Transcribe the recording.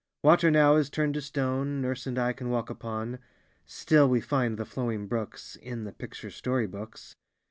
Water now is turned to stone Nurse and I can walk upon; Still we find the flowing brooks In the picture story books.